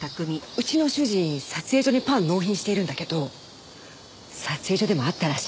うちの主人撮影所にパン納品してるんだけど撮影所でもあったらしいわね